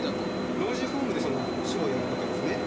老人ホームでショーやるとかですね